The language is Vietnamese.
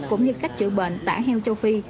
cũng như cách chữa bệnh tả heo châu phi